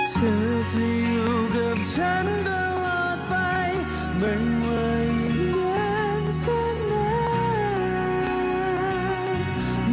เมื่อเธออยู่กับฉันตลอดไปมันวายยังนานสักนาน